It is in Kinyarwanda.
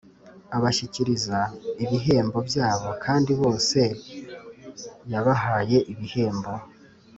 abashyikiriza ibihembo byabo, kandi bose yabahaye ibihembo